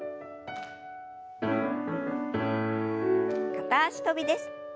片脚跳びです。